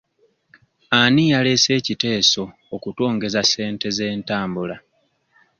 Ani yaleese ekiteeso okutwongeza ssente z'entambula?